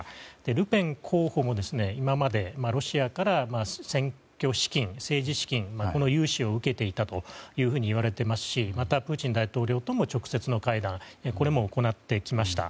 ルペン候補も今までロシアから選挙資金、政治資金の融資を受けていたといわれていますしまた、プーチン大統領とも直接の会談も行ってきました。